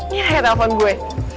ini raya telepon gue